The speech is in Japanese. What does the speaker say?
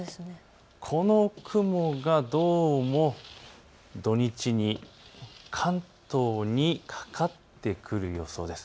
この雲がどうも土日に関東にかかってくる予想です。